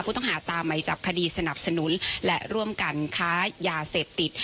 ผู้ต้องหาตามใจจากคดีสนับสนุนและร่วมกันค้ายาเสพติด